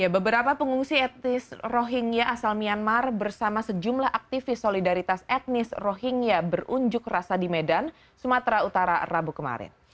beberapa pengungsi etnis rohingya asal myanmar bersama sejumlah aktivis solidaritas etnis rohingya berunjuk rasa di medan sumatera utara rabu kemarin